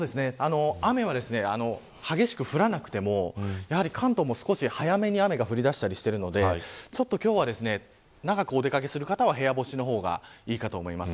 雨は激しく降らなくても関東も少し早めに雨が降りだしたりしているので今日は長くお出掛けする方は部屋干しの方がいいと思います。